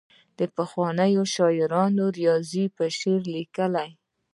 پخوانیو شاعرانو ریاضي په شعر لیکله.